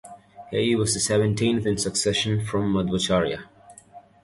He was the seventeenth in succession from Madhvacharya.